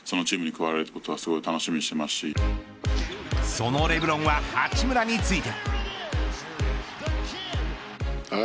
そのレブロンは八村について。